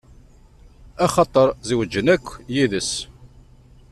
Axaṭer zewǧen akk yid-s.